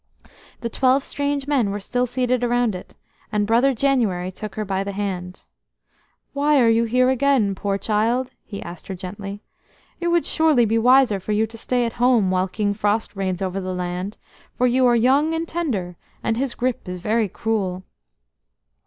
The twelve strange men were still seated round it, and Brother January took her by the hand. "Why are you here again, poor child?" he asked her gently. "It would surely be wiser for you to stay at home while King Frost reigns over the land, for you are young and tender, and his grip is very cruel."